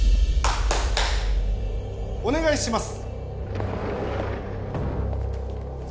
お願いします